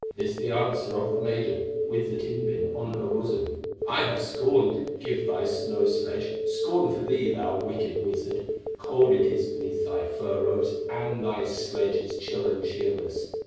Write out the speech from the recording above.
This the answer of the maiden With the tin pin on her bosom: "I have scorn to give thy snow sledge, Scorn for thee, thou wicked wizard; Cold is it beneath thy fur robes, And thy sledge is chill and cheerless.